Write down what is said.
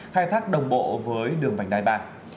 khai thác đồng bộ với đường vành đài bạc